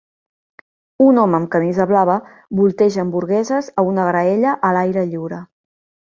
un home amb camisa blava volteja hamburgueses a una graella a l'aire lliure.